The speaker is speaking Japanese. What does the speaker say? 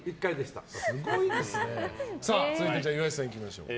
続いて岩井さんいきましょう。